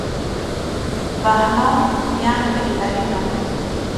بهنام یعنی بهترین نام